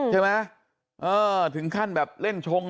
ใช่ไหมถึงขั้นแบบเล่นชง